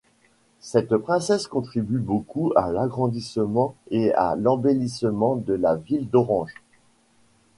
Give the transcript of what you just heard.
Cette princesse contribue beaucoup à l'agrandissement et à l'embellissement de la ville d'Orange.